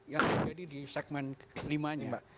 yang terjadi di segmen limanya